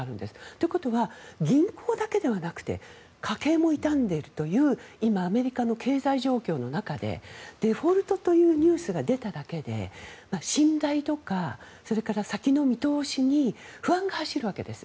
ということは銀行だけではなくて家計も傷んでいるという今アメリカの経済状況の中でデフォルトというニュースが出ただけで、信頼とかそれから先の見通しに不安が走るわけです。